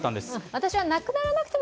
私はなくならなくても